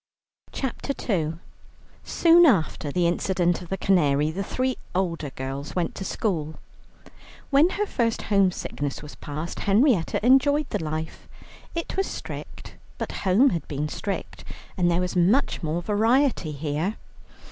CHAPTER II Soon after the incident of the canary, the three older girls went to school. When her first home sickness was passed, Henrietta enjoyed the life. It was strict, but home had been strict, and there was much more variety here.